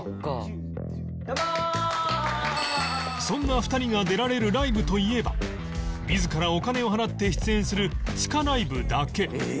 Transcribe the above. そんな２人が出られるライブといえば自らお金を払って出演する地下ライブだけ